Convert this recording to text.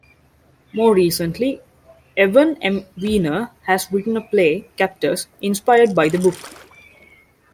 More recently, Evan M. Wiener has written a play, "Captors", inspired by the book.